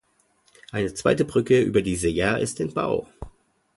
Eine zweite Brücke über die Seja ist im Bau.